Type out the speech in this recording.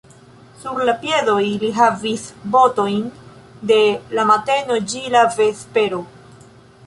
Sur la piedoj li havis botojn de la mateno ĝi la vespero.